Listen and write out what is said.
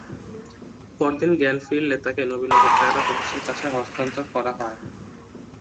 পরদিন জ্ঞান ফিরলে তাঁকে নবীনগর থানা পুলিশের কাছে হস্তান্তর করা হয়।